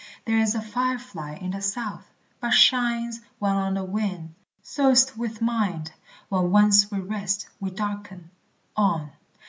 There is a fire fly in the south, but shines When on the wing. So is't with mind. When once We rest, we darken. On!